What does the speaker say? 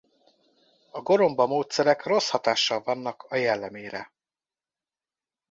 A goromba módszerek rossz hatással vannak a jellemére.